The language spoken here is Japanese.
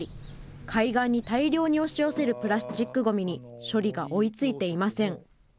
海岸に大量に押し寄せるプラスチックごみに、処理が追いついていません。